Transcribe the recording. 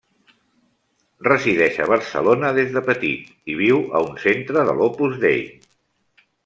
Resideix a Barcelona des de petit, i viu a un centre de l'Opus Dei.